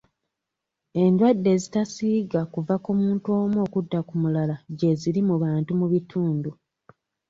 Endwadde ezitasiiga kuva ku muntu omu okudda ku mulala gyeziri mu bantu mu bitundu.